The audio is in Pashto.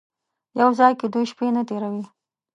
یو ځای کې دوې شپې نه تېروي.